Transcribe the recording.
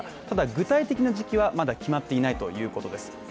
ただ具体的な時期はまだ決まっていないということです。